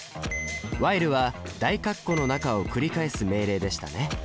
「ｗｈｉｌｅ」は大括弧の中を繰り返す命令でしたね。